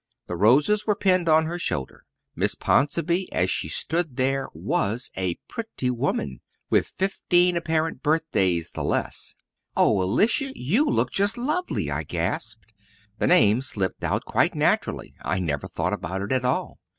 The roses were pinned on her shoulder. Miss Ponsonby, as she stood there, was a pretty woman, with fifteen apparent birthdays the less. "Oh, Alicia, you look just lovely!" I gasped. The name slipped out quite naturally. I never thought about it at all.